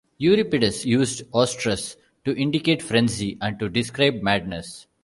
Euripides used "oestrus" to indicate "frenzy", and to describe madness.